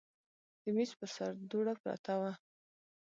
د میز پر سر دوړه پرته وه.